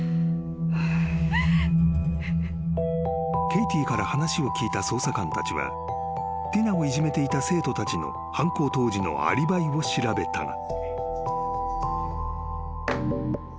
［ケイティから話を聞いた捜査官たちはティナをいじめていた生徒たちの犯行当時のアリバイを調べたが］